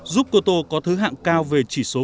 giúp cô tô có thứ hạng cao về chỉ số